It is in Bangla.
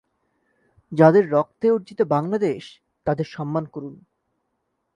যাঁদের রক্তে অর্জিত বাংলাদেশ, তাঁদের সম্মান করুন।